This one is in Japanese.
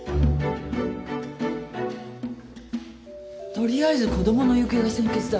取りあえず子供の行方が先決だ。